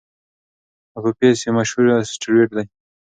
اپوفیس یو مشهور اسټروېډ دی.